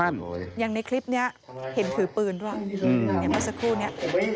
อย่างในคลิปนี้เห็นถือปืนด้วยเนี่ยเมื่อสักครู่นี้